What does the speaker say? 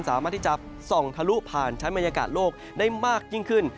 สามารถที่จะส่องทะลุผ่านชั้นบรรยากาศโลกได้มากยิ่งขึ้น